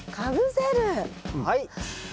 はい。